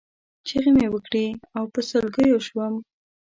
چغې مې وکړې او په سلګیو شوم.